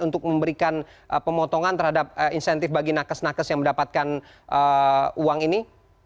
untuk memberikan pemotongan terhadap insentif bagi nakes nakes yang mendapatkan uang ini